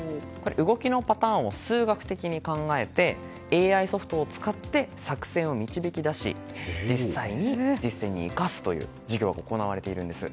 動きのパターンを数学的に考えてＡＩソフトを使って作戦を導き出し実際に実践に生かすという授業が行われています。